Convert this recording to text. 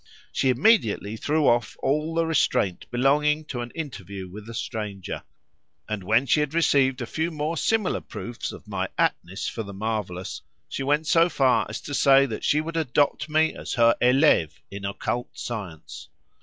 She immediately threw off all the restraint belonging to an interview with a stranger; and when she had received a few more similar proofs of my aptness for the marvellous, she went so far as to say that she would adopt me as her élève in occult science.